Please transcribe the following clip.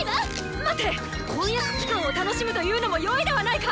待て！婚約期間を楽しむというのもよいではないか！